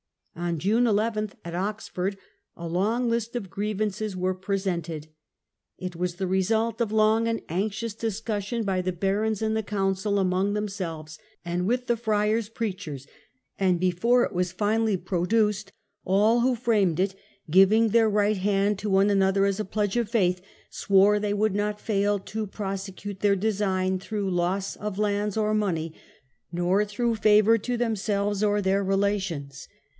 On June 11, at Oxford, a long list of grievances was presented. It was the result of long and anxious dis The Petition cussion by the barons in the council among of the Barons, themselvcs, and with the friats preachers; and before it was finally produced, all who framed it, "giving their right hand to one another as a pledge of faith, swore they would not fail to prosecute their design through loss of lands or money, nor throu^ favour to themselves and THE MAD PARLIAMENT. 7 1 their relations